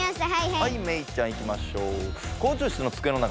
はいメイちゃんいきましょう。